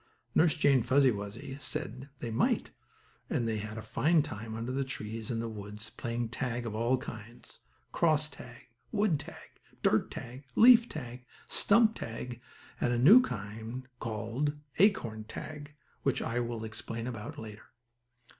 Nurse Jane Fuzzy Wuzzy said they might, and they had a fine time under the trees in the woods, playing tag of all kinds; cross tag, wood tag, dirt tag, leaf tag, stump tag, and a new kind, called acorn tag, which I will explain about later.